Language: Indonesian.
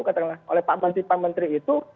katakanlah oleh pak menteri pak menteri itu